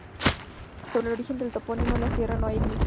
Sobre el origen del topónimo de la sierra no hay muchos datos.